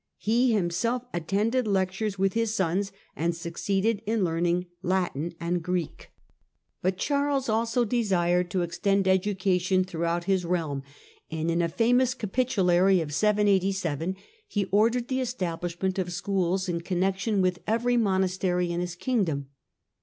He himself attended lectures with his sons, and succeeded I in learning Latin and Greek. But Charles also desired " 194 THE DAWN OF MEDIAEVAL EUROPE to extend education throughout his realm, and in a famous capitulary of 787 he ordered the establishment of schools in connection with every monastery in his kingdom.